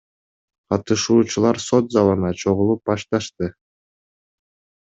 Катышуучулар сот залына чогулуп башташты.